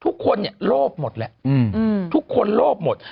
ทุกคนเนี่ยโลภหมดแล้วทุกคนโลภหมด